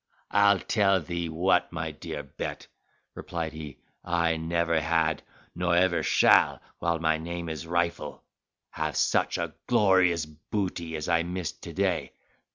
"I'll tell thee what, my dear Bet," replied he, "I never had, nor ever shall, while my name is Rifle, have such a glorious booty as I missed to day.